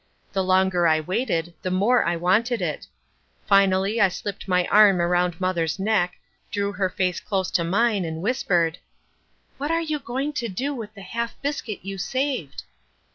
The longer I waited, the more I wanted it. Finally, I slipped my arm around mother's neck, drew her face close to mine and whispered, "What are you going to do with the half biscuit you saved?"